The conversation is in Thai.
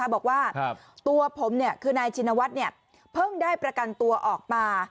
บอกว่าตัวผมคือนายชินวัฒน์เพิ่งได้ประกันตัวออกมา